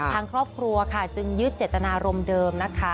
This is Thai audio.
ทางครอบครัวค่ะจึงยึดเจตนารมณ์เดิมนะคะ